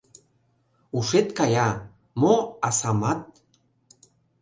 Ушет кая, мо асамат...